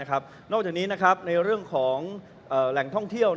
นอกจากนี้ในเรื่องของแหล่งท่องเที่ยว